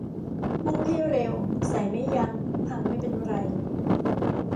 พุ่งให้เร็ว ใส่ไม่ยั้ง พังไม่เป็นไร